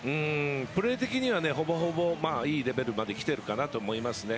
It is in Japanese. プレー的にはほぼほぼいいレベルまで来ているかなと思いますね。